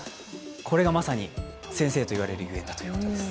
これがまさに先生と言われるゆえんだということです。